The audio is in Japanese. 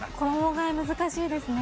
衣がえ、難しいですね。